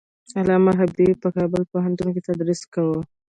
علامه حبيبي په کابل پوهنتون کې تدریس کاوه.